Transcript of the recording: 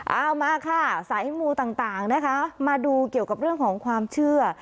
เอามาค่ะสายมูต่างนะคะมาดูเกี่ยวกับเรื่องของความเชื่อ